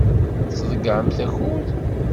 Ad tḍeyyɛemt akud.